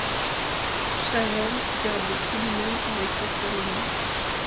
Chaval, garde Philomène avec Catherine.